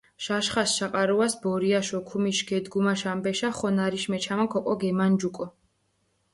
ჟაშხაშ შაყარუას ბორიაშ ოქუმიშ გედგუმაშ ამბეშა ხონარიშ მეჩამაქ ოკო გემანჯუკო.